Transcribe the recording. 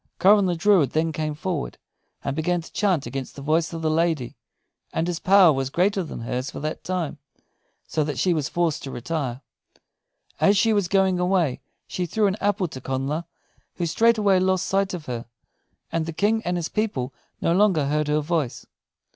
Coran the druid then came forward, and began to chant against the voice of the lady. And his power was greater than hers for that time, so that she was forced to retire. As she was going away she threw an apple to Connla, who straightway lost sight of her; and the King and his people no longer heard her voice.